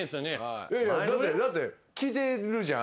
いやいやだって聞いてるじゃん。